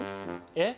えっ？